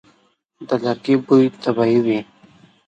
د لرګي بوی طبیعي وي.